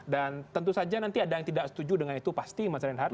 dan tentu saja nanti ada yang tidak setuju dengan itu pasti mas renhardt